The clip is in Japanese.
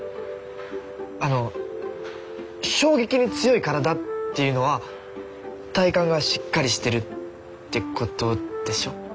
あの衝撃に強い体っていうのは体幹がしっかりしてるってことでしょ？